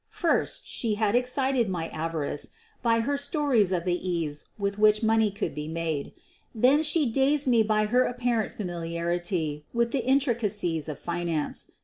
First, she had excited my avarice by her stories of the ease with which money could be made ; then she dazed me by her apparent familiar ity with the intricacies of finance.